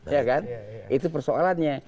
ya kan itu persoalannya